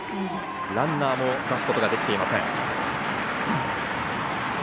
ランナーも出すことができていません。